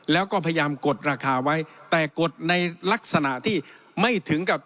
แล้วก็พยายามกดราคาไว้แต่กดในลักษณะที่ไม่ถึงกับ